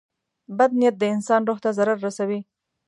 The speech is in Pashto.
• بد نیت د انسان روح ته ضرر رسوي.